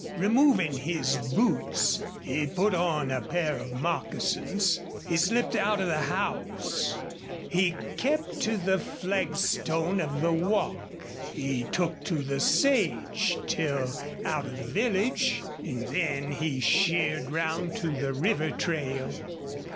Removing his boots, he put on a pair of moccasins. He slipped out of the house; he kept to the flagstone of the walk; he took to the sage till out of the village, and then he sheered round to the river trail.